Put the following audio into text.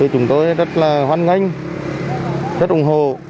chúng tôi rất là hoan nghênh rất ủng hộ